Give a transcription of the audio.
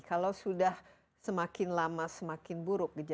kalau sudah semakin lama semakin buruk